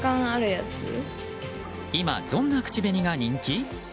今、どんな口紅が人気？